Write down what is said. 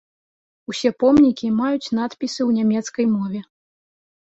Усе помнікі маюць надпісы ў нямецкай мове.